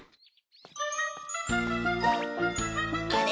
あれ？